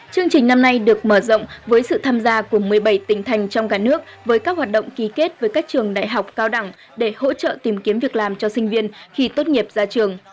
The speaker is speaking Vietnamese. chương trình năm nay được mở rộng với sự tham gia của một mươi bảy tỉnh thành trong cả nước với các hoạt động ký kết với các trường đại học cao đẳng để hỗ trợ tìm kiếm việc làm cho sinh viên khi tốt nghiệp ra trường